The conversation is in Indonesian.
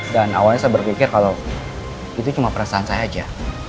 awalnya saya berpikir kalau itu cuma perasaan saya aja